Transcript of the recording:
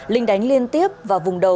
linh đánh liên tiếp vào vùng đầu